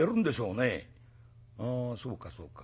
「ああそうかそうか。